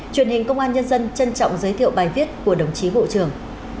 truyền hình công an nhân dân trân trọng giới thiệu bài viết của đồng chí bộ trưởng